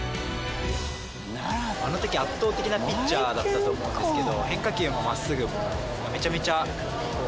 あの時圧倒的なピッチャーだったと思うんですけど。